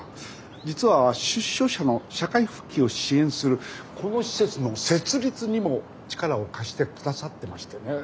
実は出所者の社会復帰を支援するこの施設の設立にも力を貸してくださってましてねえ。